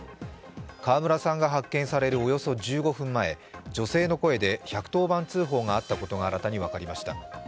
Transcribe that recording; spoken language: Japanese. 川村さんが発見されるおよそ１５分前、女性の声で１１０番通報があったことが新たに分かりました。